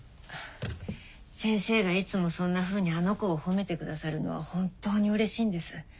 先生がいつもそんなふうにあの子を褒めてくださるのは本当にうれしいんです。